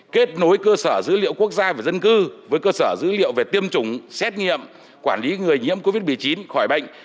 kết nối cơ sở dữ liệu quốc gia về dân cư với cơ sở dữ liệu về tiêm chủng xét nghiệm quản lý người nhiễm covid một mươi chín khỏi bệnh